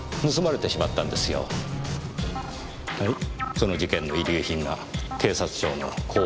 その事件の遺留品が警察庁の公安幹部に。